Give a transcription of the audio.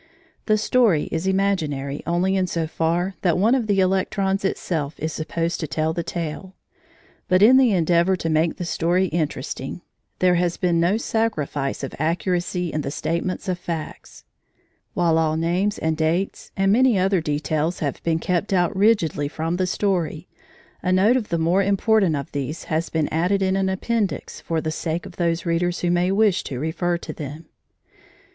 The story is imaginary only in so far that one of the electrons itself is supposed to tell the tale. But in the endeavour to make the story interesting, there has been no sacrifice of accuracy in the statements of fact. While all names and dates, and many other details, have been kept out rigidly from the story, a note of the more important of these has been added in an Appendix for the sake of those readers who may wish to refer to them.